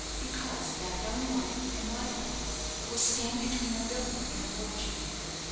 "Because that young life, and my life, will stand between a villain and a fortune.